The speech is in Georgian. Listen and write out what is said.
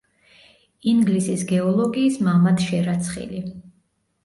ინგლისის გეოლოგიის „მამად“ შერაცხილი.